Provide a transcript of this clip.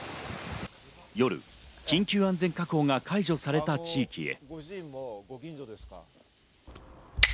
夜、緊急安全確保が解除された地域へ。